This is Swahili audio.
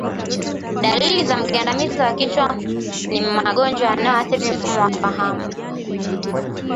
Dalili za mgandamizo wa kichwa ni magonjwa yanayoathiri mfumo wa fahamu